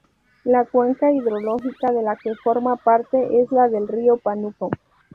La cuenca hidrológica de la que forma parte es la del Río Pánuco.